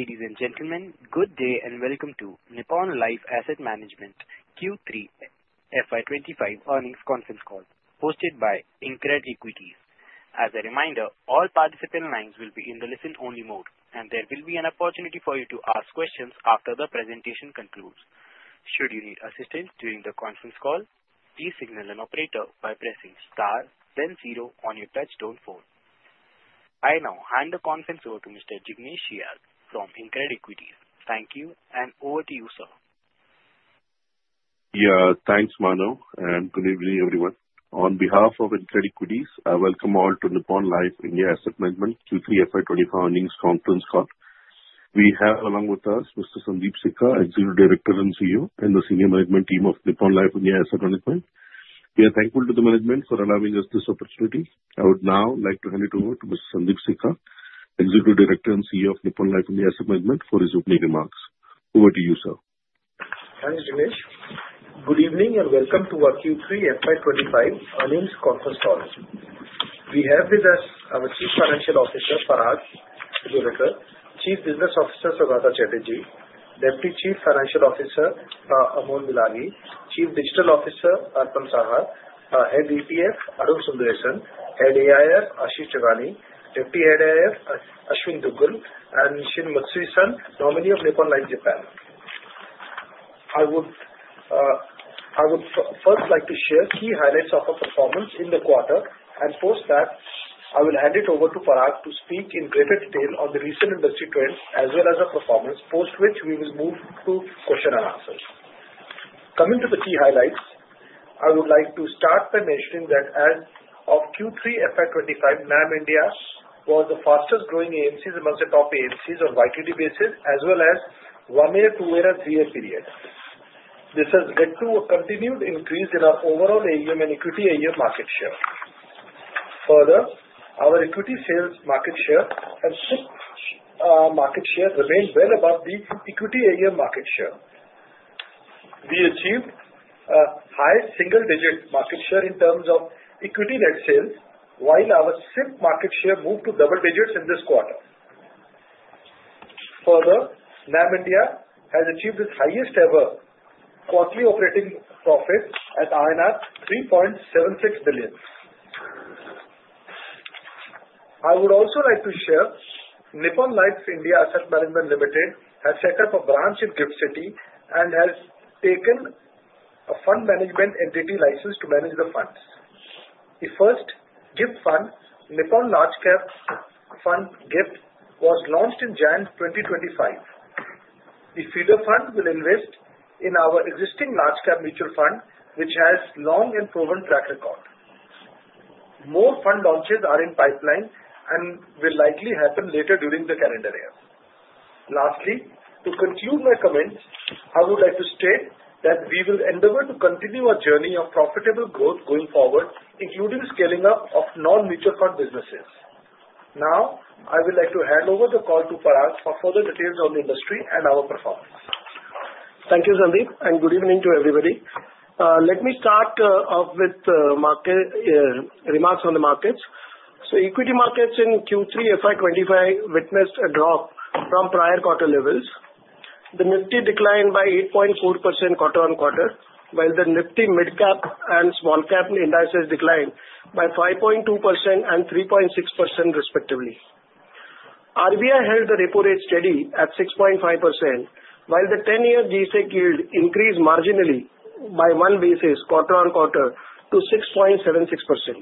Ladies and gentlemen, good day and welcome to Nippon Life Asset Management Q3 FY 2025 earnings conference call, hosted by InCred Equities. As a reminder, all participant lines will be in the listen-only mode, and there will be an opportunity for you to ask questions after the presentation concludes. Should you need assistance during the conference call, please signal an operator by pressing star, then zero on your touch-tone phone. I now hand the conference over to Mr. Jignesh Shial from InCred Equities. Thank you, and over to you, sir. Yeah, thanks, Mano, and good evening, everyone. On behalf of InCred Equities, I welcome all to Nippon Life India Asset Management Q3 FY 2025 earnings conference call. We have, along with us, Mr. Sundeep Sikka, Executive Director and CEO, and the Senior Management Team of Nippon Life India Asset Management. We are thankful to the management for allowing us this opportunity. I would now like to hand it over to Mr. Sundeep Sikka, Executive Director and CEO of Nippon Life India Asset Management, for his opening remarks. Over to you, sir. Thanks, Jignesh. Good evening and welcome to our Q3 FY 2025 earnings conference call. We have with us our Chief Financial Officer, Parag Joglekar, Chief Business Officer, Saugata Chatterjee, Deputy Chief Financial Officer, Amol Bilagi, Chief Digital Officer, Arpanarghya Saha, Head ETF, Arun Sundaresan, Head of Investor Relations, Ashish Jagani, Deputy Head of Investor Relations, Aashwin Dugal, and Shin Matsui, nominee of Nippon Life Japan. I would first like to share key highlights of our performance in the quarter and post that I will hand it over to Parag to speak in greater detail on the recent industry trends as well as our performance, post which we will move to question and answers. Coming to the key highlights, I would like to start by mentioning that as of Q3 FY 2025, NAM India was the fastest growing AMCs amongst the top AMCs on YTD basis, as well as one-year, two-year, and three-year periods. This has led to a continued increase in our overall AUM and equity AUM market share. Further, our equity sales market share and SIP market share remain well above the equity AUM market share. We achieved a high single-digit market share in terms of equity net sales, while our SIP market share moved to double digits in this quarter. Further, NAM India has achieved its highest-ever quarterly operating profit at INR 3.76 billion. I would also like to share Nippon Life India Asset Management Limited has set up a branch in GIFT City and has taken a fund management entity license to manage the funds. The first GIFT fund, Nippon India Large Cap Fund - GIFT City, was launched in January 2025. The feeder fund will invest in our existing large-cap mutual fund, which has a long and proven track record. More fund launches are in pipeline and will likely happen later during the calendar year. Lastly, to conclude my comments, I would like to state that we will endeavor to continue our journey of profitable growth going forward, including scaling up of non-mutual fund businesses. Now, I would like to hand over the call to Parag for further details on the industry and our performance. Thank you, Sundeep, and good evening to everybody. Let me start with remarks on the markets. Equity markets in Q3 FY 2025 witnessed a drop from prior quarter levels. The Nifty declined by 8.4% quarter on quarter, while the Nifty Midcap and Smallcap indices declined by 5.2% and 3.6%, respectively. RBI held the repo rate steady at 6.5%, while the 10-year G-Sec yield increased marginally by one basis point quarter on quarter to 6.76%.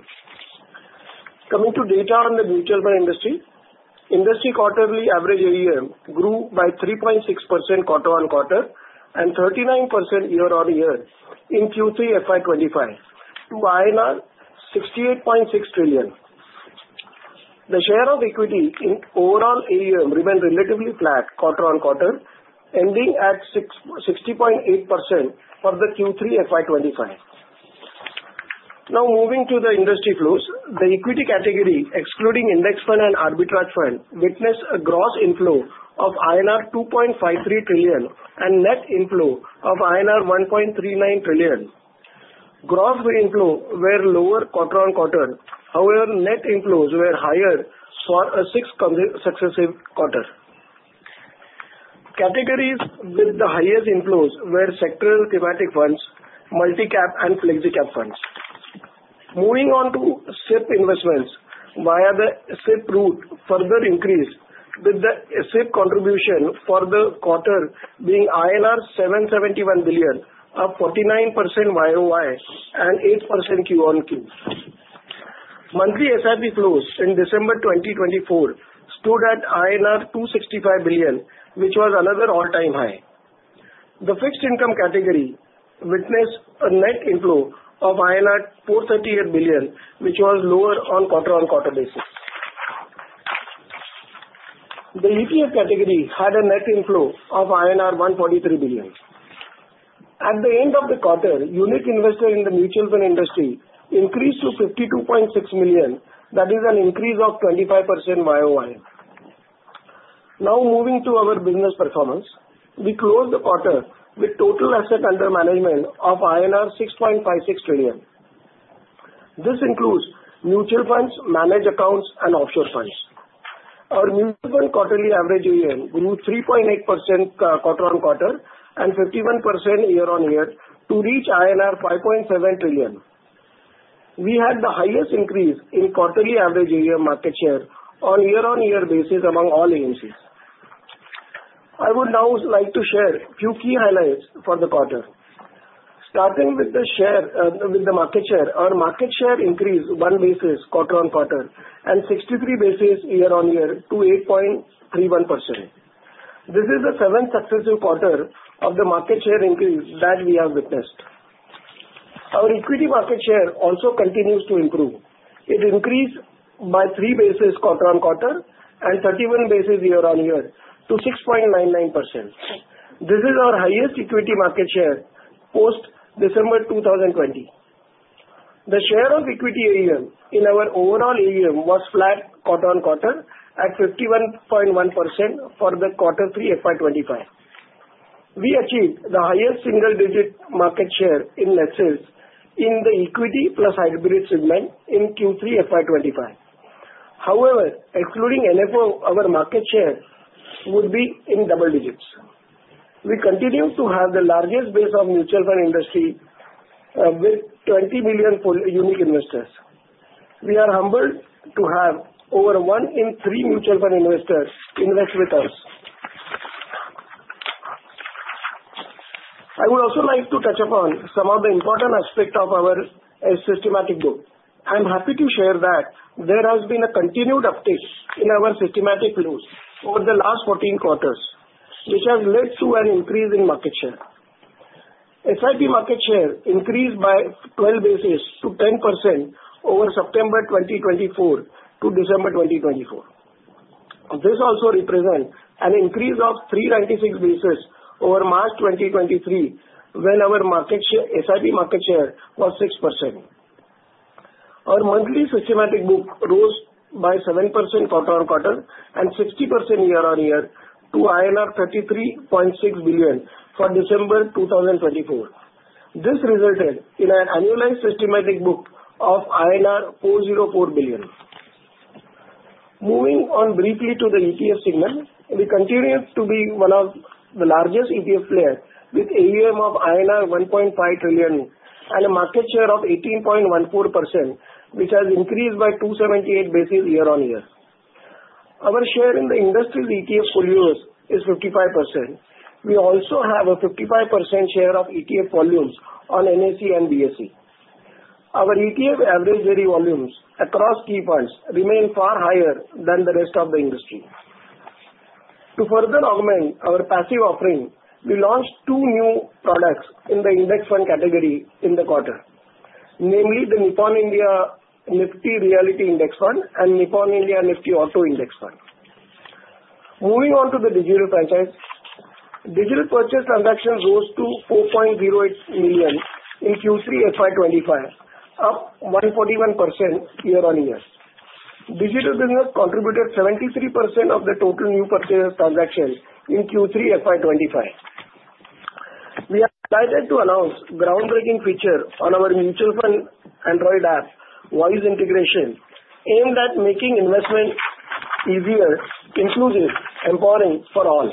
Coming to data on the mutual fund industry, industry quarterly average AUM grew by 3.6% quarter on quarter and 39% year on year in Q3 FY 2025 to 68.6 trillion. The share of equity in overall AUM remained relatively flat quarter on quarter, ending at 60.8% for the Q3 FY 2025. Now, moving to the industry flows, the equity category, excluding index fund and arbitrage fund, witnessed a gross inflow of INR 2.53 trillion and net inflow of INR 1.39 trillion. Gross inflows were lower quarter on quarter; however, net inflows were higher for six successive quarters. Categories with the highest inflows were sectoral thematic funds, Multi-cap, and flexi-cap funds. Moving on to SIP investments via the SIP route, further increased with the SIP contribution for the quarter being INR 771 billion of 49% YOY and 8% Q on Q. Monthly SIP flows in December 2024 stood at INR 265 billion, which was another all-time high. The fixed income category witnessed a net inflow of 438 billion, which was lower on quarter on quarter basis. The ETF category had a net inflow of INR 143 billion. At the end of the quarter, unique investors in the mutual fund industry increased to 52.6 million. That is an increase of 25% YOY. Now, moving to our business performance, we closed the quarter with total asset under management of INR 6.56 trillion. This includes mutual funds, managed accounts, and offshore funds. Our mutual fund quarterly average AUM grew 3.8% quarter on quarter and 51% year on year to reach INR 5.7 trillion. We had the highest increase in quarterly average AUM market share on year-on-year basis among all AMCs. I would now like to share a few key highlights for the quarter. Starting with the market share, our market share increased one basis point quarter on quarter and 63 basis points year on year to 8.31%. This is the seventh successive quarter of the market share increase that we have witnessed. Our equity market share also continues to improve. It increased by three basis points quarter on quarter and 31 basis points year on year to 6.99%. This is our highest equity market share post-December 2020. The share of equity AUM in our overall AUM was flat quarter on quarter at 51.1% for the quarter three FY 2025. We achieved the highest single-digit market share in net sales in the equity plus hybrid segment in Q3 FY 2025. However, excluding NFO, our market share would be in double digits. We continue to have the largest base of mutual fund industry with 20 million unique investors. We are humbled to have over one in three mutual fund investors invest with us. I would also like to touch upon some of the important aspects of our systematic book. I'm happy to share that there has been a continued uptick in our systematic flows over the last 14 quarters, which has led to an increase in market share. SIP market share increased by 12 basis points to 10% over September 2024 to December 2024. This also represents an increase of 396 basis points over March 2023, when our SIP market share was 6%. Our monthly systematic book rose by 7% quarter on quarter and 60% year on year to INR 33.6 billion for December 2024. This resulted in an annualized systematic book of INR 404 billion. Moving on briefly to the ETF segment, we continue to be one of the largest ETF players with an AUM of INR 1.5 trillion and a market share of 18.14%, which has increased by 278 basis points year on year. Our share in the industry's ETF volumes is 55%. We also have a 55% share of ETF volumes on NSE and BSE. Our ETF average daily volumes across key funds remain far higher than the rest of the industry. To further augment our passive offering, we launched two new products in the index fund category in the quarter, namely the Nippon India Nifty Realty Index Fund and Nippon India Nifty Auto Index Fund. Moving on to the digital franchise, digital purchase transactions rose to 4.08 million in Q3 FY 2025, up 141% year on year. Digital business contributed 73% of the total new purchase transactions in Q3 FY 2025. We are excited to announce a groundbreaking feature on our mutual fund Android app, Voice Integration, aimed at making investment easier, inclusive, and empowering for all.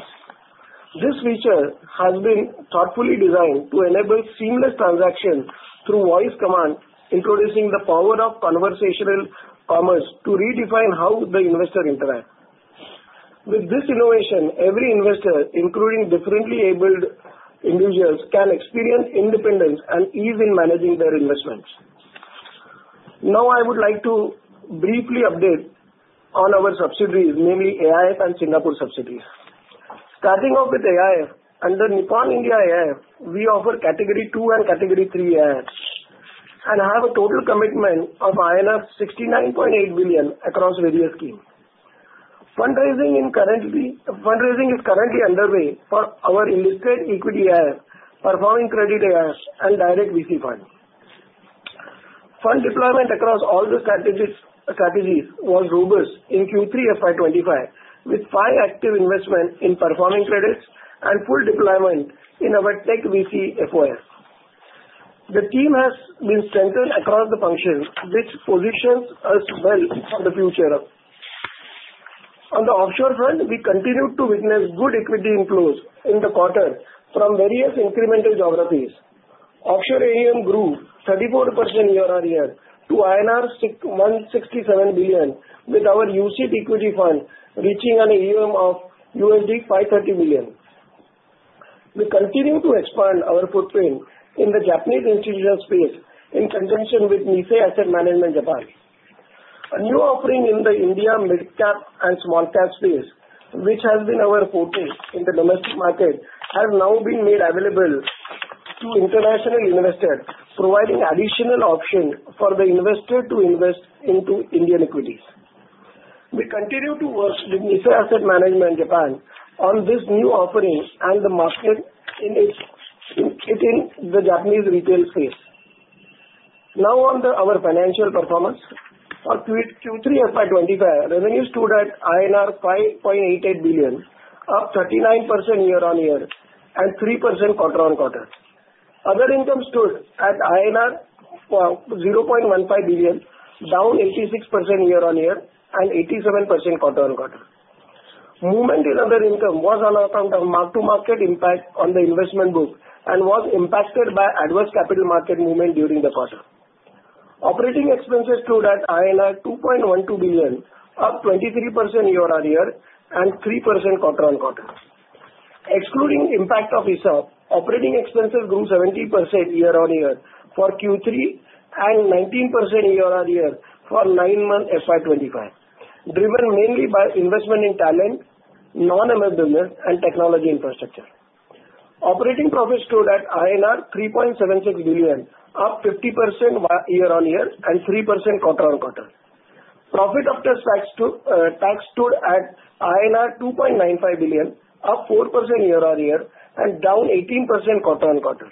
This feature has been thoughtfully designed to enable seamless transactions through voice commands, introducing the power of conversational commerce to redefine how the investor interacts. With this innovation, every investor, including differently abled individuals, can experience independence and ease in managing their investments. Now, I would like to briefly update on our subsidiaries, namely AIF and Singapore subsidiaries. Starting off with AIF, under Nippon India AIF, we offer Category II and Category III AIFs and have a total commitment of 69.8 billion across various schemes. Fundraising is currently underway for our Listed Equity AIF, Performing Credit AIF, and Direct VC Fund. Fund deployment across all the strategies was robust in Q3 FY 2025, with five active investments in Performing Credits and full deployment in our Tech VC FOF. The team has been strengthened across the functions, which positions us well for the future. On the offshore front, we continued to witness good equity inflows in the quarter from various incremental geographies. Offshore AUM grew 34% year on year to INR 167 billion, with our UCITS Equity Fund reaching an AUM of $530 million. We continue to expand our footprint in the Japanese institutional space in conjunction with Nissay Asset Management Japan. A new offering in the India Midcap and Smallcap space, which has been our forte in the domestic market, has now been made available to international investors, providing additional options for the investor to invest into Indian equities. We continue to work with Nissay Asset Management Japan on this new offering and the market in the Japanese retail space. Now, on our financial performance, for Q3 FY 2025, revenues stood at INR 5.88 billion, up 39% year on year and 3% quarter on quarter. Other income stood at INR 0.15 billion, down 86% year on year and 87% quarter on quarter. Movement in other income was on account of mark-to-market impact on the investment book and was impacted by adverse capital market movement during the quarter. Operating expenses stood at INR 2.12 billion, up 23% year on year and 3% quarter on quarter. Excluding impact of ESOP, operating expenses grew 17% year on year for Q3 and 19% year on year for nine months FY 2025, driven mainly by investment in talent, non-MF business, and technology infrastructure. Operating profit stood at INR 3.76 billion, up 50% year on year and 3% quarter on quarter. Profit after tax stood at INR 2.95 billion, up 4% year on year and down 18% quarter on quarter.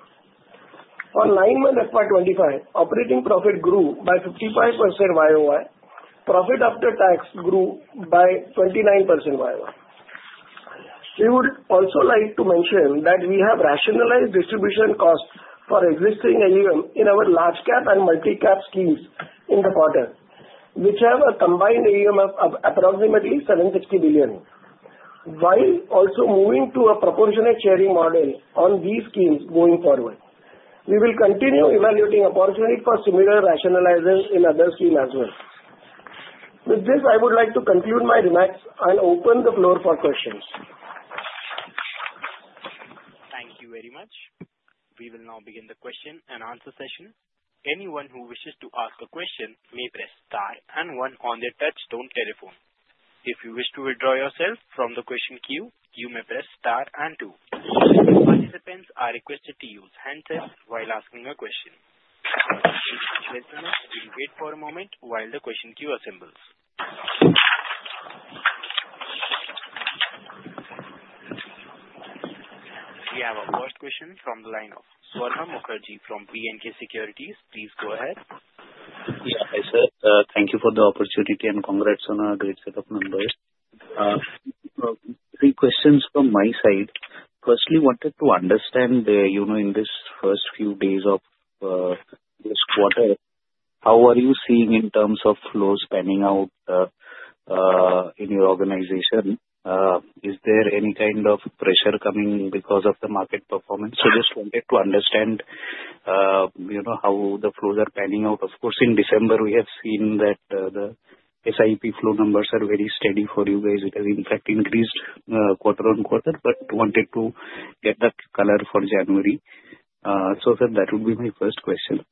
For nine months FY 2025, operating profit grew by 55% YOY. Profit after tax grew by 29% YOY. We would also like to mention that we have rationalized distribution costs for existing AUM in our large-cap and Multi-cap schemes in the quarter, which have a combined AUM of approximately 760 billion, while also moving to a proportionate sharing model on these schemes going forward. We will continue evaluating opportunity for similar rationalizations in other schemes as well. With this, I would like to conclude my remarks and open the floor for questions. Thank you very much. We will now begin the question and answer session. Anyone who wishes to ask a question may press star and one on their touch-tone telephone. If you wish to withdraw yourself from the question queue, you may press star and two. Participants are requested to use handsets while asking a question. Please wait for a moment while the question queue assembles. We have our first question from the line of Swarnabh Mukherjee from BNK Securities. Please go ahead. Yeah, hi sir. Thank you for the opportunity and congrats on a great set of numbers. Three questions from my side. Firstly, I wanted to understand in this first few days of this quarter, how are you seeing in terms of flows panning out in your organization? Is there any kind of pressure coming because of the market performance? So just wanted to understand how the flows are panning out. Of course, in December, we have seen that the SIP flow numbers are very steady for you guys. It has, in fact, increased quarter on quarter, but wanted to get that color for January. So sir, that would be my first question.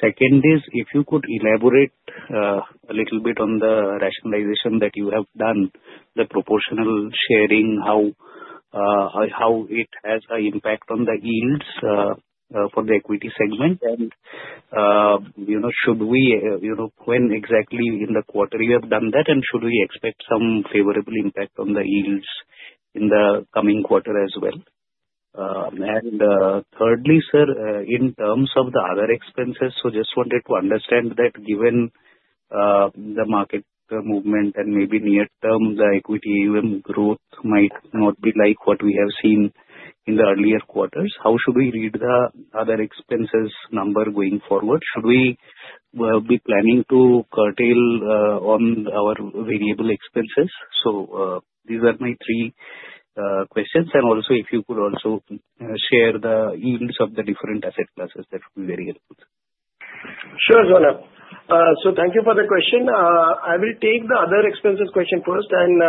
Second is, if you could elaborate a little bit on the rationalization that you have done, the proportional sharing, how it has an impact on the yields for the equity segment, and should we, when exactly in the quarter you have done that, and should we expect some favorable impact on the yields in the coming quarter as well? And thirdly, sir, in terms of the other expenses, so just wanted to understand that given the market movement and maybe near-term, the equity AUM growth might not be like what we have seen in the earlier quarters. How should we read the other expenses number going forward? Should we be planning to curtail on our variable expenses? So these are my three questions. And also, if you could also share the yields of the different asset classes, that would be very helpful. Sure, Swarna. So thank you for the question. I will take the other expenses question first, and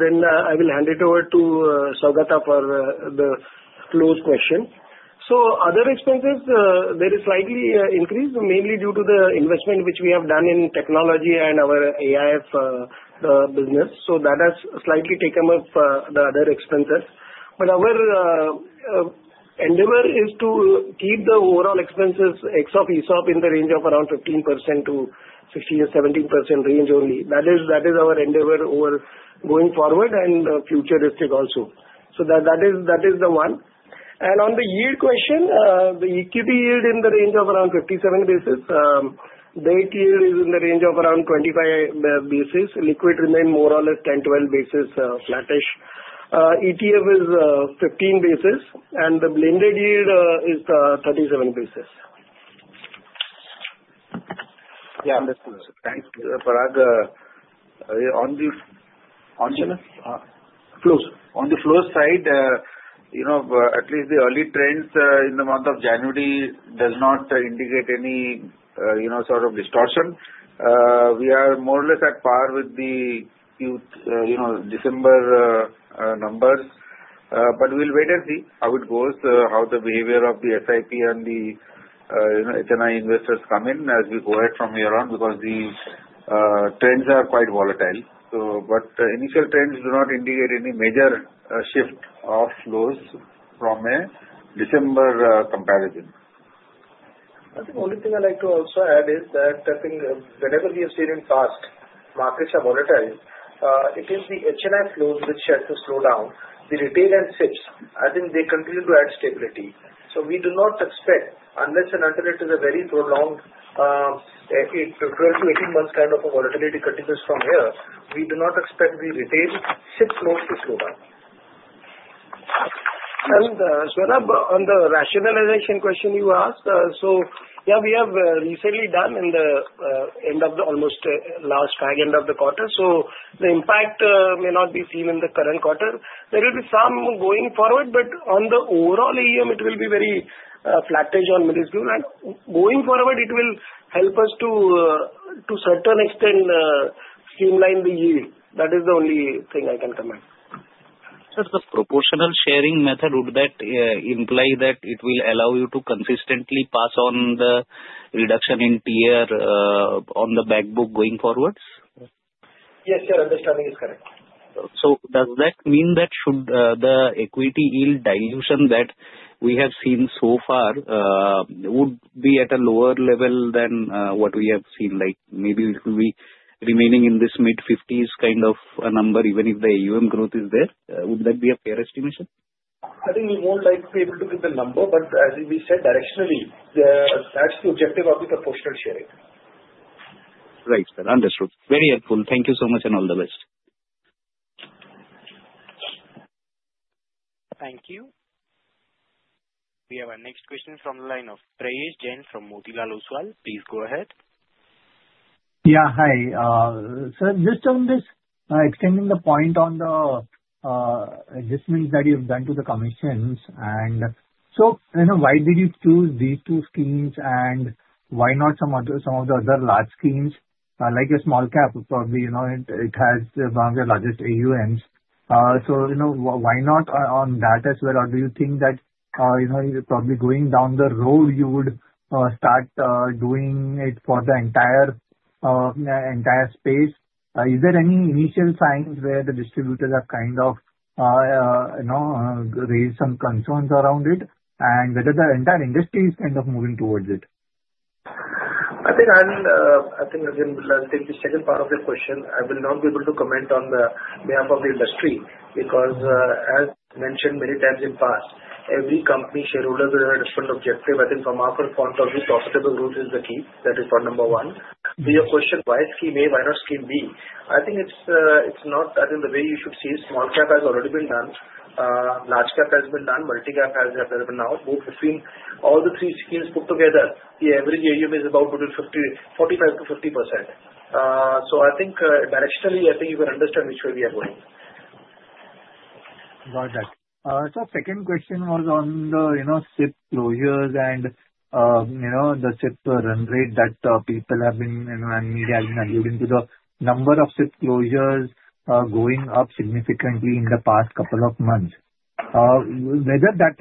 then I will hand it over to Saugata for the flows question. So other expenses, there is slightly increase, mainly due to the investment which we have done in technology and our AIF business. So that has slightly taken off the other expenses. But our endeavor is to keep the overall expenses ex-ESOPs in the range of around 15% to 16%, 17% range only. That is our endeavor going forward and futuristic also. So that is the one. And on the yield question, the equity yield is in the range of around 57 basis points. Debt yield is in the range of around 25 basis points. Liquid remains more or less 10, 12 basis points, flattish. ETF is 15 basis points, and the blended yield is 37 basis points. Yeah, understood. Thank you, Parag. On the flow side, at least the early trends in the month of January do not indicate any sort of distortion. We are more or less at par with the December numbers, but we'll wait and see how it goes, how the behavior of the SIP and the HNI investors come in as we go ahead from here on because the trends are quite volatile. But initial trends do not indicate any major shift of flows from a December comparison. I think the only thing I'd like to also add is that I think whenever we have seen in past markets are volatile, it is the HNI flows which had to slow down. The retail and SIPs, I think they continue to add stability, so we do not expect, unless and until it is a very prolonged 12-18 months kind of volatility continues from here, we do not expect the retail SIP flows to slow down. Swarna, on the rationalization question you asked, so yeah, we have recently done in the end of the almost last FY end of the quarter. So the impact may not be seen in the current quarter. There will be some going forward, but on the overall AUM, it will be very flattish or minuscule. Going forward, it will help us to a certain extent streamline the yield. That is the only thing I can comment. Sir, the proportional sharing method, would that imply that it will allow you to consistently pass on the reduction in TER on the backbook going forwards? Yes, sir, understanding is correct. So does that mean that should the equity yield dilution that we have seen so far would be at a lower level than what we have seen, like maybe it will be remaining in this mid-50s kind of a number, even if the AUM growth is there? Would that be a fair estimation? I think we'd more like to be able to give the number, but as we said, directionally, that's the objective of the proportional sharing. Right, sir. Understood. Very helpful. Thank you so much and all the best. Thank you. We have our next question from the line of Prayesh Jain from Motilal Oswal. Please go ahead. Yeah, hi. Sir, just on this extending the point on the adjustments that you've done to the commissions, and so why did you choose these two schemes and why not some of the other large schemes like a Smallcap? Probably it has one of the largest AUMs. So why not on that as well? Or do you think that probably going down the road, you would start doing it for the entire space? Is there any initial signs where the distributors have kind of raised some concerns around it, and whether the entire industry is kind of moving towards it? I think, again, I'll take the second part of the question. I will not be able to comment on behalf of the industry because, as mentioned many times in the past, every company has shareholders with different objectives. I think from our point of view, profitable growth is the key. That is point number one. The question, why scheme A, why not scheme B? I think it's not, I think the way you should see Smallcap has already been done. Large-cap has been done. Multi-cap has now moved between all the three schemes put together. The average AUM is about 45%-50%. So I think directionally, I think you can understand which way we are going. Got that. So second question was on the SIP closures and the SIP run rate that people have been and media have been alluding to the number of SIP closures going up significantly in the past couple of months. Whether that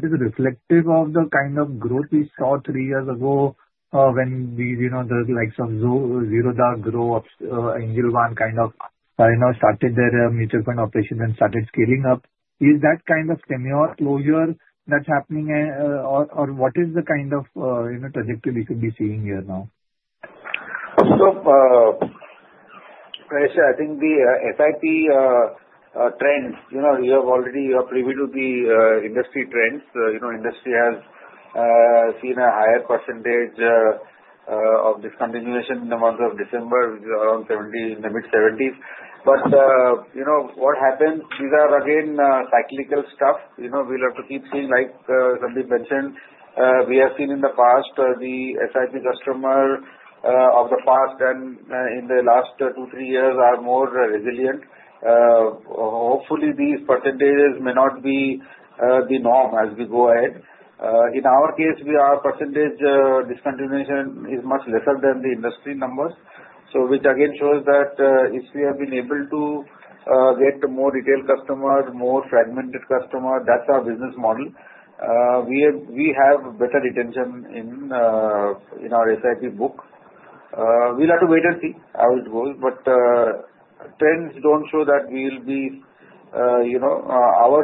is a reflective of the kind of growth we saw three years ago when the likes of Zerodha, Groww, Angel One kind of started their mutual fund operation and started scaling up, is that kind of semi-automatic closure that's happening, or what is the kind of trajectory we should be seeing here now? So, Prayesh, I think the SIP trends. You have already had a preview of the industry trends. The industry has seen a higher percentage of discontinuation in the month of December, around 70%, in the mid-70s%. But what happens, these are again cyclical stuff. We'll have to keep seeing, like Sundeep mentioned, we have seen in the past the SIP customer of the past and in the last two, three years are more resilient. Hopefully, these percentages may not be the norm as we go ahead. In our case, our percentage discontinuation is much lesser than the industry numbers, which again shows that if we have been able to get more retail customers, more fragmented customers, that's our business model. We have better retention in our SIP book. We'll have to wait and see how it goes, but trends don't show that we'll see our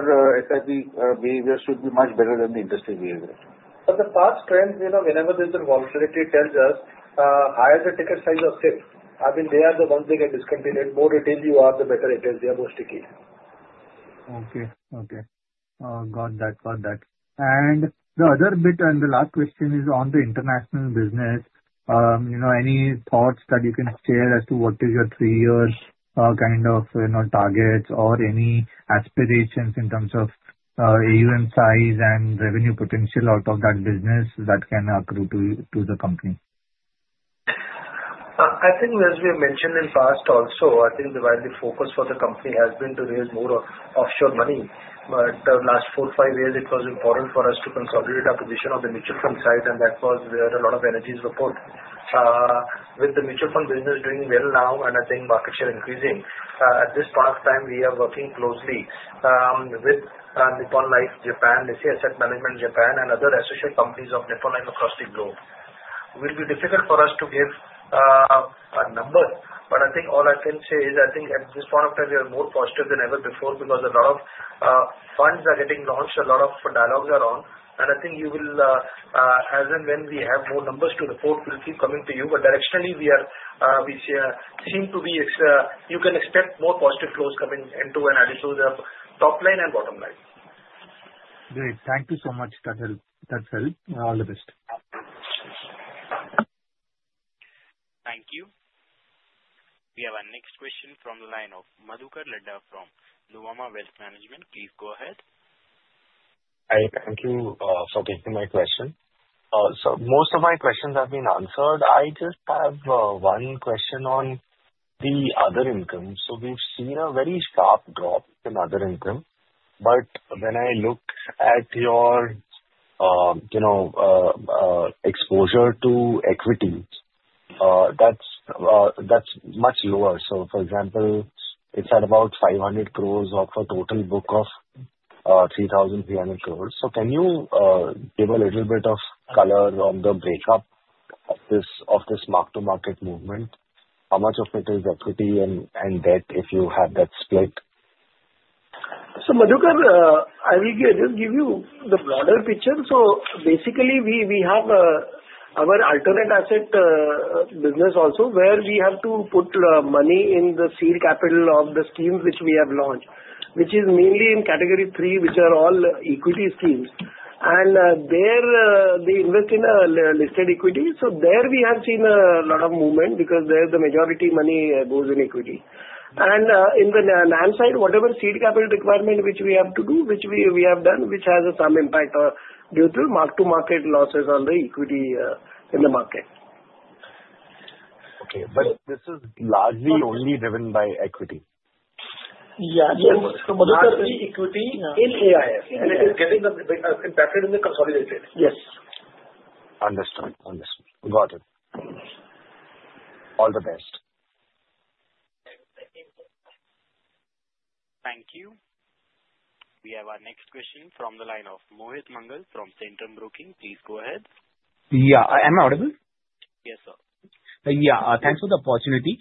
SIP behavior should be much better than the industry behavior. The past trends, whenever there's a volatility, tells us the higher the ticket size of SIP. I mean, they are the ones that get discontinued. The more retail you are, the better it is. They are mostly killed. Okay. Got that. And the other bit, and the last question, is on the international business. Any thoughts that you can share as to what is your three-year kind of targets or any aspirations in terms of AUM size and revenue potential out of that business that can accrue to the company? I think, as we have mentioned in past also, I think the focus for the company has been to raise more offshore money. But the last four, five years, it was important for us to consolidate our position on the mutual fund side, and that was where a lot of energies were put. With the mutual fund business doing well now and I think market share increasing, at this point of time, we are working closely with Nippon Life Japan, Nissay Asset Management Japan, and other associate companies of Nippon Life across the globe. It will be difficult for us to give a number, but I think all I can say is I think at this point of time, we are more positive than ever before because a lot of funds are getting launched, a lot of dialogues are on, and I think you will, as and when we have more numbers to report, we'll keep coming to you. But directionally, we seem to be, you can expect more positive flows coming into and adding to the top line and bottom line. Great. Thank you so much, that's all. All the best. Thank you. We have our next question from the line of Madhukar Ladha from Nuvama Wealth Management. Please go ahead. Hi, thank you for taking my question. So most of my questions have been answered. I just have one question on the other income. So we've seen a very sharp drop in other income, but when I look at your exposure to equities, that's much lower. So for example, it's at about 500 crores of a total book of 3,300 crores. So can you give a little bit of color on the breakup of this mark-to-market movement? How much of it is equity and debt if you have that split? Madhukar, I will give you the broader picture. Basically, we have our alternative asset business also where we have to put money in the seed capital of the schemes which we have launched, which is mainly in category three, which are all equity schemes. They invest in listed equity. There we have seen a lot of movement because there the majority money goes in equity. In the lending side, whatever seed capital requirement which we have to do, which we have done, which has some impact due to mark-to-market losses on the equity in the market. Okay, but this is largely only driven by equity? Yeah, yes. So Madhukar, the equity in AIF is getting impacted in the consolidated. Yes. Understood, understood. Got it. All the best. Thank you. We have our next question from the line of Mohit Mangal from Centrum Broking. Please go ahead. Yeah, am I audible? Yes, sir. Yeah, thanks for the opportunity.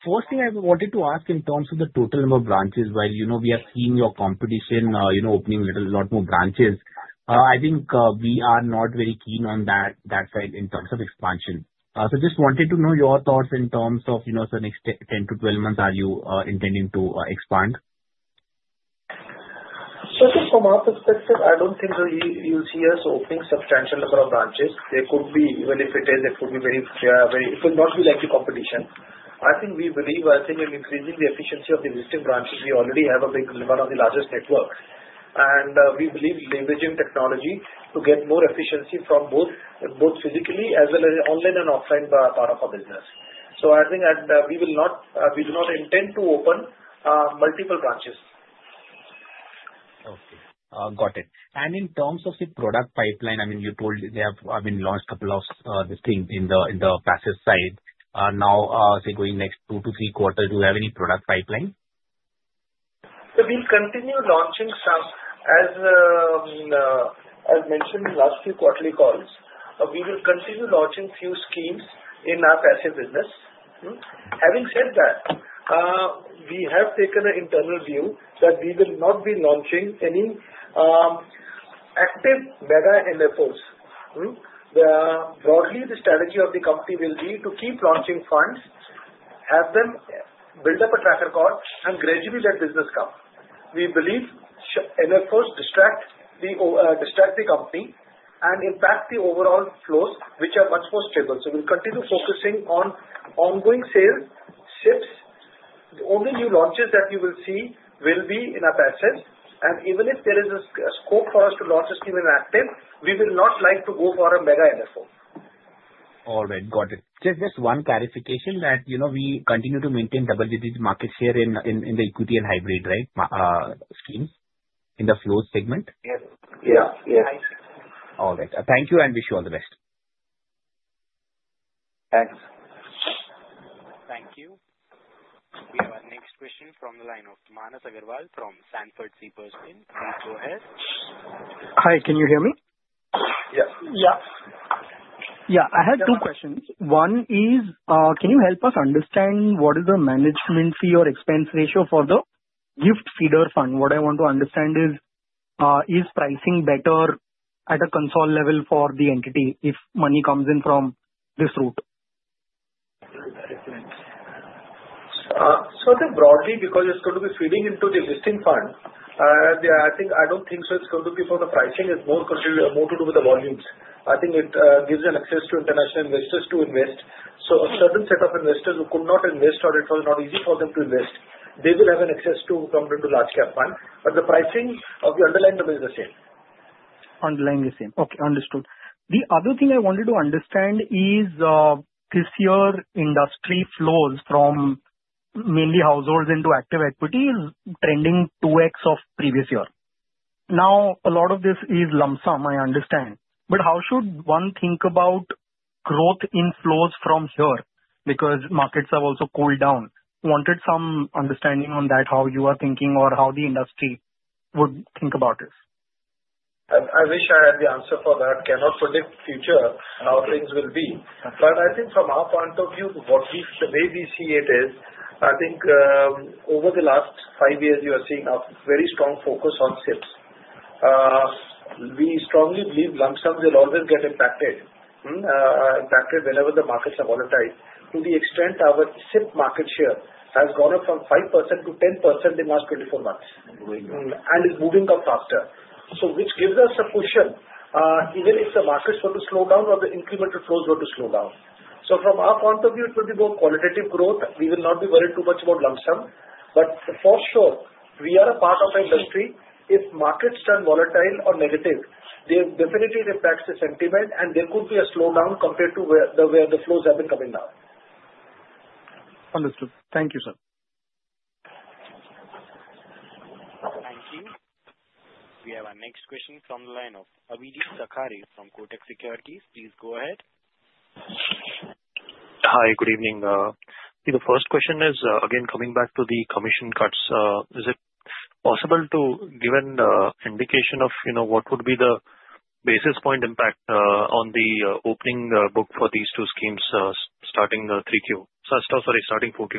First thing I wanted to ask in terms of the total number of branches, while we have seen your competition opening a lot more branches, I think we are not very keen on that side in terms of expansion. So just wanted to know your thoughts in terms of the next 10-12 months, are you intending to expand? Certainly, from our perspective, I don't think you'll see us opening substantial number of branches. There could be, well, if it is, it could be very, it could not be like the competition. I think we believe, I think in increasing the efficiency of the existing branches; we already have one of the largest networks, and we believe leveraging technology to get more efficiency from both physically as well as online and offline part of our business, so I think we do not intend to open multiple branches. Okay, got it. And in terms of the product pipeline, I mean, you told they have been launched a couple of things in the passive side. Now, say going next two to three quarters, do you have any product pipeline? So, we'll continue launching some, as mentioned in last few quarterly calls, we will continue launching few schemes in our passive business. Having said that, we have taken an internal view that we will not be launching any active mega NFOs. Broadly, the strategy of the company will be to keep launching funds, have them build up a track record, and gradually let business come. We believe NFOs distract the company and impact the overall flows, which are much more stable. So, we'll continue focusing on ongoing sales, SIPs. The only new launches that you will see will be in our passive, and even if there is a scope for us to launch a scheme in active, we will not like to go for a mega NFO. All right, got it. Just one clarification that we continue to maintain double-digit market share in the equity and hybrid, right, schemes in the flow segment? Yes. Yeah, yes. All right. Thank you and wish you all the best. Thanks. Thank you. We have our next question from the line of Manas Agarwal from Sanford C. Bernstein. Please go ahead. Hi, can you hear me? Yes. Yeah. Yeah, I had two questions. One is, can you help us understand what is the management fee or expense ratio for the GIFT feeder fund? What I want to understand is, is pricing better at a consolidated level for the entity if money comes in from this route? So, I think broadly, because it's going to be feeder into the listed fund, I don't think so. It's going to be for the pricing. It's more to do with the volumes. I think it gives them access to international investors to invest. So, a certain set of investors who could not invest or it was not easy for them to invest, they will have access to come into large-cap fund. But the pricing of the underlying level is the same. Underlying is the same. Okay, understood. The other thing I wanted to understand is this year, industry flows from mainly households into active equity is trending 2x of previous year. Now, a lot of this is lump sum, I understand. But how should one think about growth in flows from here? Because markets have also cooled down. Wanted some understanding on that, how you are thinking or how the industry would think about it. I wish I had the answer for that. Cannot predict the future, how things will be. But I think from our point of view, the way we see it is, I think over the last five years, you are seeing a very strong focus on SIPs. We strongly believe lump sums will always get impacted whenever the markets are volatile. To the extent our SIP market share has gone up from 5% to 10% in the last 24 months and is moving up faster, which gives us a cushion, even if the markets were to slow down or the incremental flows were to slow down. So from our point of view, it will be more qualitative growth. We will not be worried too much about lump sum. But for sure, we are a part of the industry. If markets turn volatile or negative, they definitely impact the sentiment, and there could be a slowdown compared to where the flows have been coming now. Understood. Thank you, sir. Thank you. We have our next question from the line of Abhijeet Sakhare from Kotak Securities. Please go ahead. Hi, good evening. The first question is, again, coming back to the commission cuts, is it possible to give an indication of what would be the basis point impact on the opening book for these two schemes starting 3Q? Sorry, starting 4Q.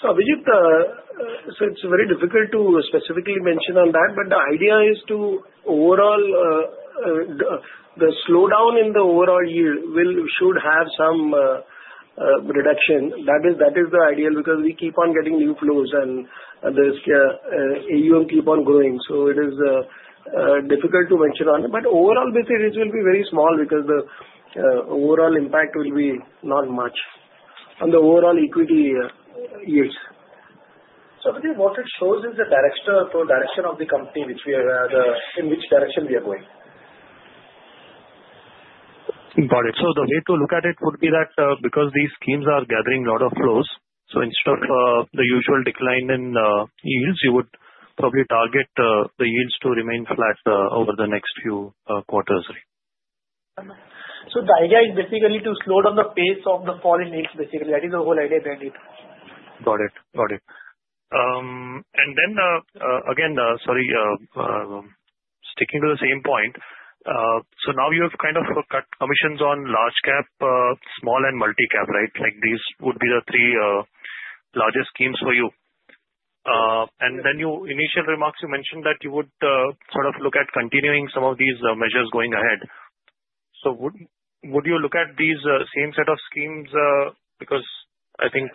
So, Abhijeet, it's very difficult to specifically mention on that, but the idea is to overall, the slowdown in the overall yield should have some reduction. That is the ideal because we keep on getting new flows and the AUM keep on growing. So it is difficult to venture on it. But overall, it will be very small because the overall impact will be not much on the overall equity yields. So I think what it shows is the direction of the company in which direction we are going. Got it. So the way to look at it would be that because these schemes are gathering a lot of flows, so instead of the usual decline in yields, you would probably target the yields to remain flat over the next few quarters. The idea is basically to slow down the pace of the fall in yields, basically. That is the whole idea behind it. Got it, got it. And then again, sorry, sticking to the same point, so now you have kind of cut commissions on large-cap, small, and ,multi-cap, right? These would be the three largest schemes for you. And then your initial remarks, you mentioned that you would sort of look at continuing some of these measures going ahead. So would you look at these same set of schemes? Because I think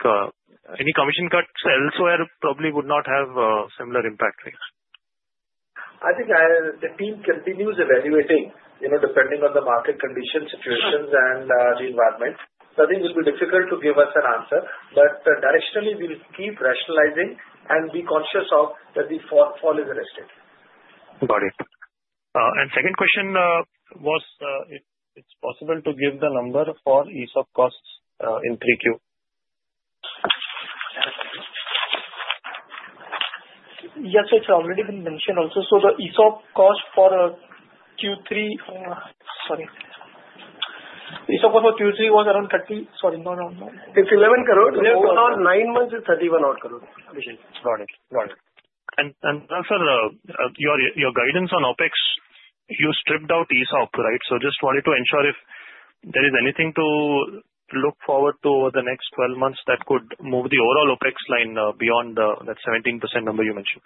any commission cuts elsewhere probably would not have a similar impact, right? I think the team continues evaluating depending on the market conditions, situations, and the environment, so I think it will be difficult to give us an answer, but directionally, we'll keep rationalizing and be conscious of that the fall is elastic. Got it. And second question was, it's possible to give the number for ESOP costs in 3Q? Yes, it's already been mentioned also. So the ESOP cost for Q3, sorry, ESOP cost for Q3 was around 30 crores, sorry, no, no, no. It's 11 crores. Overall, nine months is 31 odd crores. Got it, got it. And also, your guidance on OpEx, you stripped out ESOP, right? So just wanted to ensure if there is anything to look forward to over the next 12 months that could move the overall OpEx line beyond that 17% number you mentioned.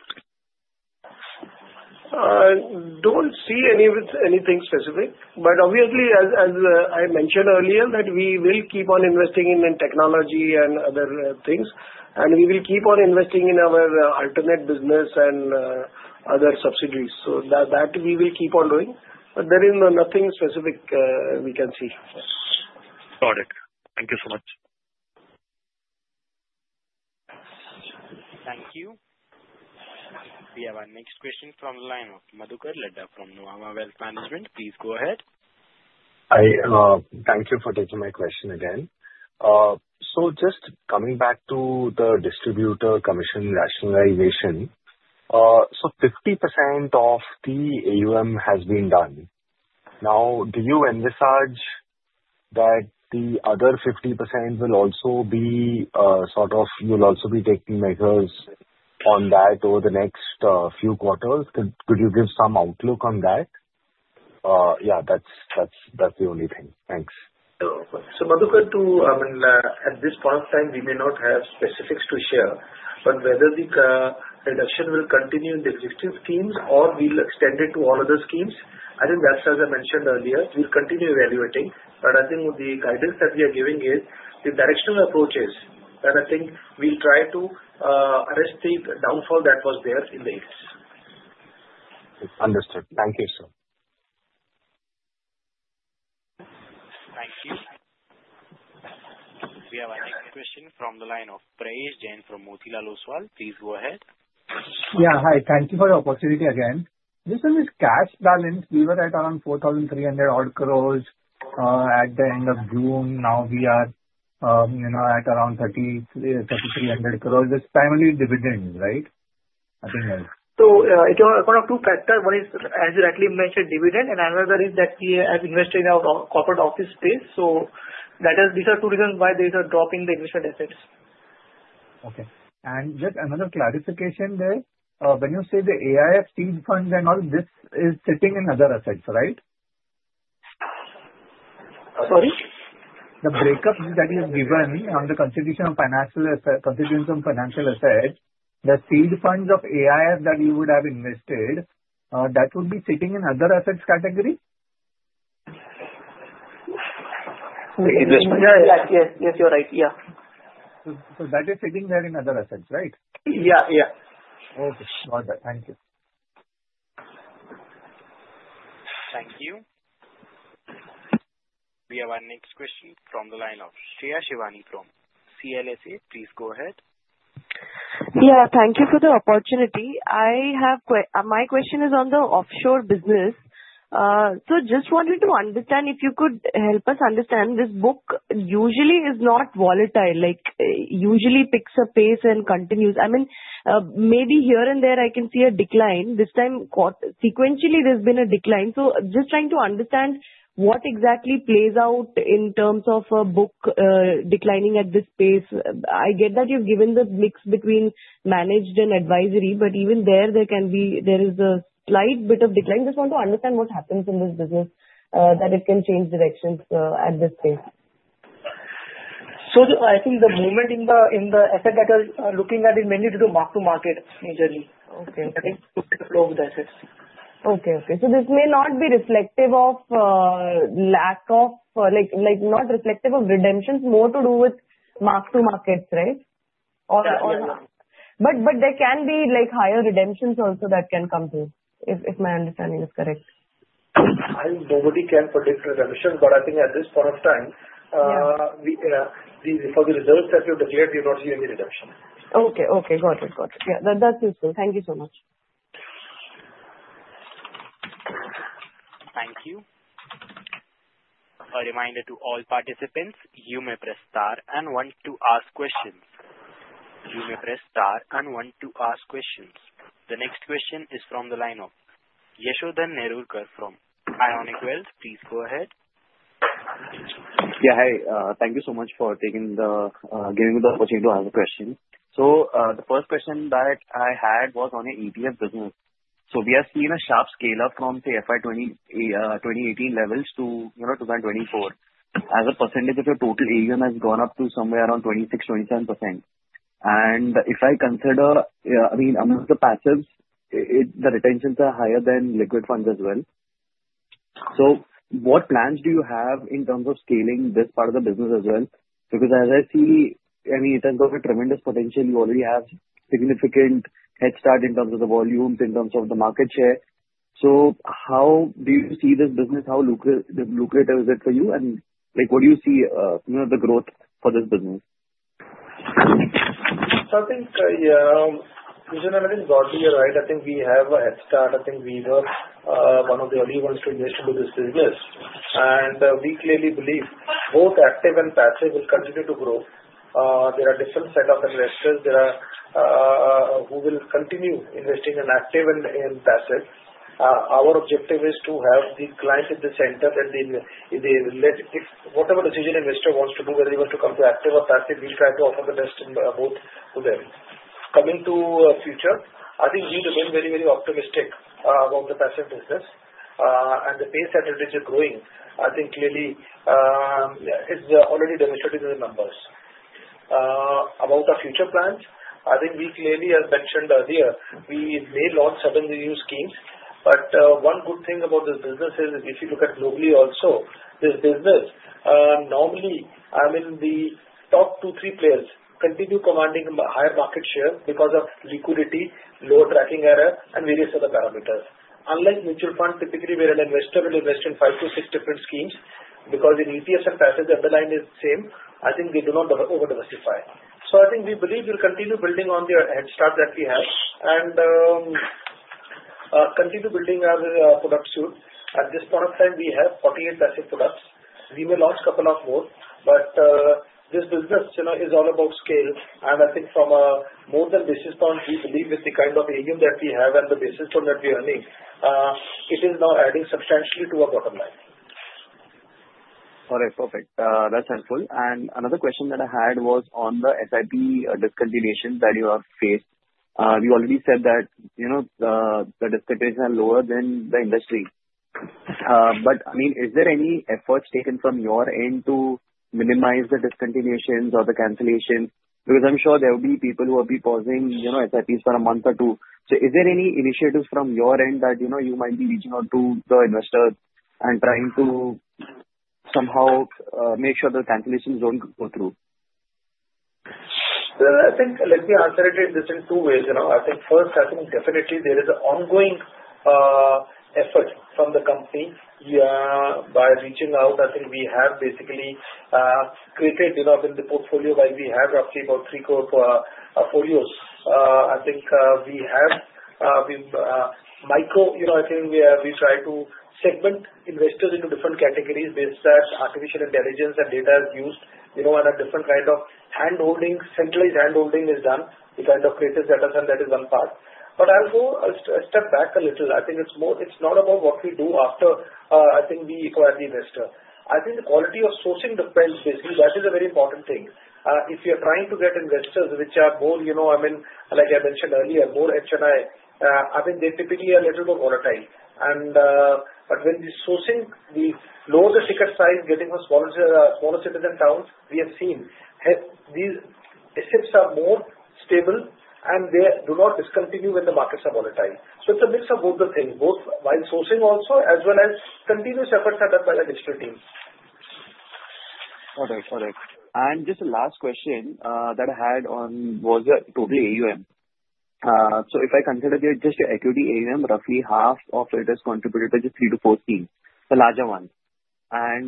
Don't see anything specific, but obviously, as I mentioned earlier, that we will keep on investing in technology and other things, and we will keep on investing in our alternate business and other subsidiaries, so that we will keep on doing, but there is nothing specific we can see. Got it. Thank you so much. Thank you. We have our next question from the line of Madhukar Ladha from Nuvama Wealth Management. Please go ahead. Hi, thank you for taking my question again. So just coming back to the distributor commission rationalization, so 50% of the AUM has been done. Now, do you envisage that the other 50% will also be sort of, you'll also be taking measures on that over the next few quarters? Could you give some outlook on that? Yeah, that's the only thing. Thanks. So Madhukar, too, I mean, at this point in time, we may not have specifics to share, but whether the reduction will continue in the existing schemes or we'll extend it to all other schemes, I think that's, as I mentioned earlier, we'll continue evaluating. But I think the guidance that we are giving is the directional approaches, and I think we'll try to arrest the downfall that was there in the years. Understood. Thank you, sir. Thank you. We have our next question from the line of Prayesh Jain from Motilal Oswal. Please go ahead. Yeah, hi. Thank you for the opportunity again. This one is cash balance. We were at around 4,300-odd crores at the end of June. Now we are at around 3,300 crores. It's primarily dividends, right? I think. It's one of two factors. One is, as you rightly mentioned, dividend, and another is that we have invested in our corporate office space. These are two reasons why they are dropping the initial assets. Okay, and just another clarification there. When you say the AIF seed funds and all, this is sitting in other assets, right? Sorry? The breakdown that you've given on the constituents of financial assets, the seed funds of AIF that you would have invested, that would be sitting in other assets category? Yes, you're right. Yeah. So that is sitting there in other assets, right? Yeah, yeah. Okay. Got it. Thank you. Thank you. We have our next question from the line of Shreya Shivani from CLSA. Please go ahead. Yeah, thank you for the opportunity. My question is on the offshore business. So just wanted to understand if you could help us understand this book usually is not volatile, usually picks a pace and continues. I mean, maybe here and there I can see a decline. This time, sequentially, there's been a decline. So just trying to understand what exactly plays out in terms of a book declining at this pace. I get that you've given the mix between managed and advisory, but even there, there is a slight bit of decline. Just want to understand what happens in this business that it can change directions at this pace. So I think the movement in the asset that you're looking at is mainly due to mark-to-market, majorly. I think it's the flow of the assets. Okay, okay. So this may not be reflective of lack of, not reflective of redemptions, more to do with mark-to-markets, right? Yeah. But there can be higher redemptions also that can come through, if my understanding is correct. Nobody can predict redemptions, but I think at this point of time, for the reserves that you've declared, you're not seeing any redemptions. Okay, okay. Got it, got it. Yeah, that's useful. Thank you so much. Thank you. A reminder to all participants, you may press star one to ask questions. The next question is from the line of Yashodhan Nerurkar from Ionic Wealth. Please go ahead. Yeah, hi. Thank you so much for giving me the opportunity to ask a question. So the first question that I had was on an ETF business. So we have seen a sharp scale-up from the FY 2018 levels to 2024. As a percentage of your total AUM has gone up to somewhere around 26%-27%. And if I consider, I mean, amongst the passives, the retentions are higher than liquid funds as well. So what plans do you have in terms of scaling this part of the business as well? Because as I see, I mean, in terms of a tremendous potential, you already have significant head start in terms of the volumes, in terms of the market share. So how do you see this business? How lucrative is it for you? And what do you see the growth for this business? So I think, yeah, and I think you're right. I think we have a head start. I think we were one of the early ones to invest into this business. And we clearly believe both active and passive will continue to grow. There are different set of investors who will continue investing in active and passive. Our objective is to have the client at the center and whatever decision investor wants to do, whether he wants to come to active or passive, we'll try to offer the best both to them. Coming to future, I think we remain very, very optimistic about the passive business. And the pace at which it is growing, I think clearly it's already demonstrated in the numbers. About our future plans, I think we clearly, as mentioned earlier, we may launch suddenly new schemes. But one good thing about this business is, if you look at globally also, this business normally, I mean, the top two, three players continue commanding higher market share because of liquidity, lower tracking error, and various other parameters. Unlike mutual funds, typically where an investor will invest in five to six different schemes because in ETFs and passives, the underlying is the same, I think they do not over-diversify. So I think we believe we'll continue building on the head start that we have and continue building our product suite. At this point of time, we have 48 passive products. We may launch a couple of more, but this business is all about scale. I think from a margin basis point, we believe with the kind of AUM that we have and the basis point that we are earning, it is now adding substantially to our bottom line. All right, perfect. That's helpful. And another question that I had was on the SIP discontinuation that you have faced. You already said that the discontinuation is lower than the industry. But I mean, is there any efforts taken from your end to minimize the discontinuations or the cancellations? Because I'm sure there will be people who will be pausing SIPs for a month or two. So is there any initiatives from your end that you might be reaching out to the investors and trying to somehow make sure the cancellations don't go through? I think let me answer it in two ways. I think first, I think definitely there is an ongoing effort from the company by reaching out. I think we have basically created in the portfolio by we have roughly about three crore folios. I think we have micro. I think we try to segment investors into different categories based that artificial intelligence and data is used and a different kind of handholding, centralized handholding is done. We kind of create a setup and that is one part. But I'll go a step back a little. I think it's not about what we do after I think we acquire the investor. I think the quality of sourcing the funds, basically, that is a very important thing. If you are trying to get investors which are more, I mean, like I mentioned earlier, more H&I, I think they typically are a little bit volatile, and when the sourcing, the lower the ticket size getting for smaller citizen towns, we have seen these assets are more stable and they do not discontinue when the markets are volatile, so it's a mix of both the things, both while sourcing also as well as continuous efforts are done by the digital teams. All right, all right. The last question that I had on total AUM. If I consider just your equity AUM, roughly half of it is contributed to just three to four schemes, the larger ones.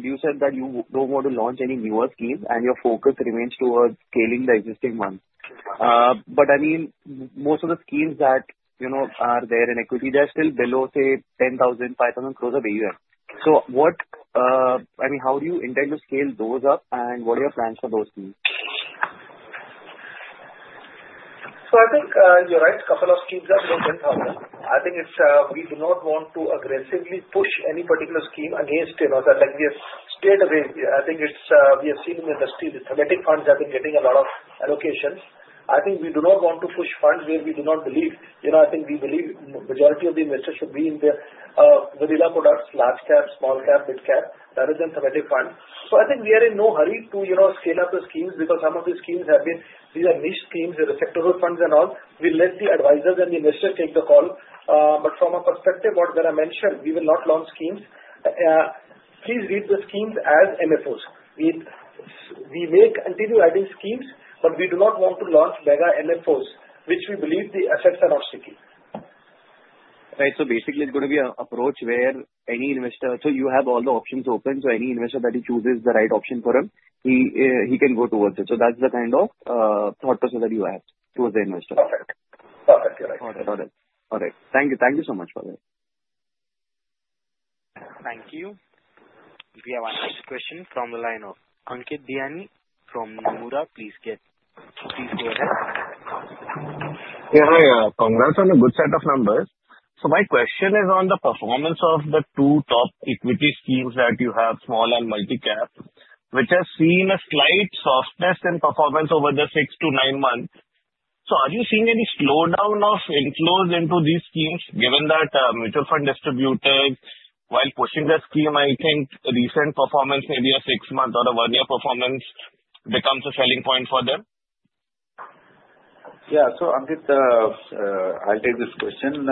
You said that you don't want to launch any newer schemes and your focus remains towards scaling the existing ones. Most of the schemes that are there in equity, they're still below, say, 10,000-5,000 crores of AUM. How do you intend to scale those up and what are your plans for those schemes? So I think you're right. A couple of schemes are below 10,000. I think we do not want to aggressively push any particular scheme against that. We have stayed away. I think we have seen in the industry, the thematic funds have been getting a lot of allocations. I think we do not want to push funds where we do not believe. I think we believe the majority of the investors should be in the vanilla products, large cap, small cap, mid cap, rather than thematic funds. So I think we are in no hurry to scale up the schemes because some of these schemes have been these are niche schemes, they're sectoral funds and all. We'll let the advisors and the investors take the call. But from a perspective what I mentioned, we will not launch schemes. Please read the schemes as NFOs. We may continue adding schemes, but we do not want to launch mega NFOs, which we believe the assets are not seeking. Right. So basically, it's going to be an approach where any investor, so you have all the options open. So any investor that he chooses the right option for him, he can go towards it. So that's the kind of thought process that you have towards the investor. Perfect. Perfect. You're right. All right. All right. Thank you. Thank you so much, brother. Thank you. We have our next question from the line of Ankit Bihani from Nomura. Please go ahead. Yeah, hi. Congrats on a good set of numbers. So my question is on the performance of the two top equity schemes that you have, small and multi-cap, which have seen a slight softness in performance over the six to nine months. So are you seeing any slowdown of inflows into these schemes given that mutual fund distributors, while pushing the scheme, I think recent performance, maybe a six-month or a one-year performance becomes a selling point for them? Yeah. So Ankit, I'll take this question.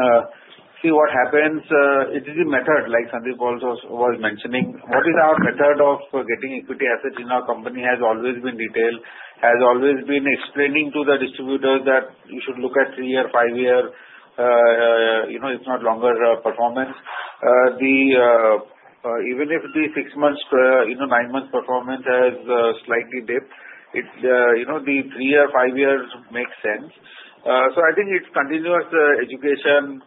See what happens. It is a method, like Sundeep also was mentioning. What is our method of getting equity assets in our company has always been detailed, has always been explaining to the distributors that you should look at three-year, five-year, it's not longer performance. Even if the six-month, nine-month performance has slightly dipped, the three-year, five-year makes sense. So I think it's continuous education,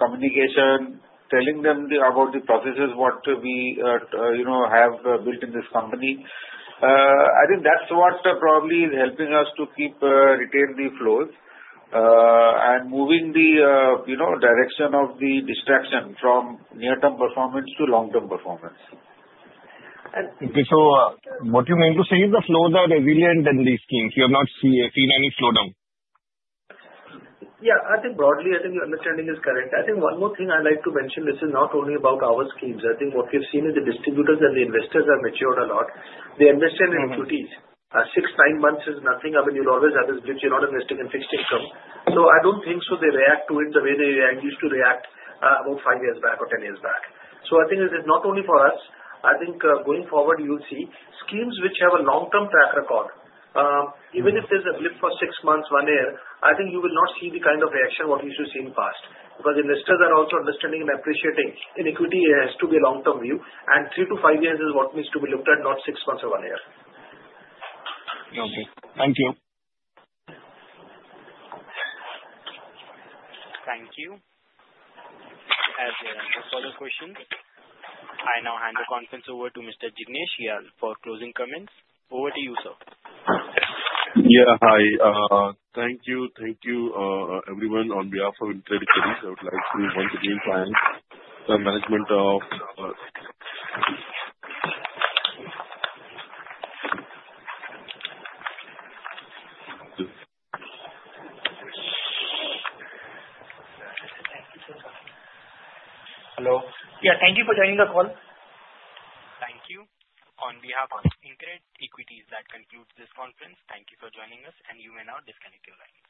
communication, telling them about the processes what we have built in this company. I think that's what probably is helping us to keep retained the flows and moving the direction of the distraction from near-term performance to long-term performance. So what you mean to say is the flows are resilient in these schemes. You have not seen any slowdown. Yeah. I think broadly, I think your understanding is correct. I think one more thing I'd like to mention, this is not only about our schemes. I think what we've seen is the distributors and the investors have matured a lot. They invested in equities. Six, nine months is nothing. I mean, you'll always have this glitch. You're not investing in fixed income. So I don't think so they react to it the way they used to react about five years back or ten years back. So I think this is not only for us. I think going forward, you'll see schemes which have a long-term track record. Even if there's a blip for six months, one year, I think you will not see the kind of reaction what you used to see in the past. Because investors are also understanding and appreciating in equity, it has to be a long-term view. And three to five years is what needs to be looked at, not six months or one year. Okay. Thank you. Thank you. If there are no further questions, I now hand the conference over to Mr. Jignesh Shial for closing comments. Over to you, sir. Yeah. Hi. Thank you. Thank you, everyone, on behalf of InCred Equities. I would like to once again thank the management of. Hello. Yeah. Thank you for joining the call. Thank you. On behalf of InCred Equities, that concludes this conference. Thank you for joining us, and you may now disconnect your lines.